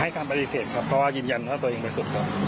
การปฏิเสธครับเพราะว่ายืนยันว่าตัวเองเป็นสุดครับ